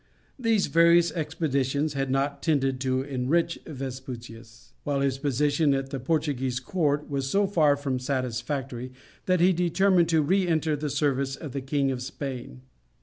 These various expeditions had not tended to enrich Vespucius, while his position at the Portuguese court was so far from satisfactory that he determined to re enter the service of the King of Spain.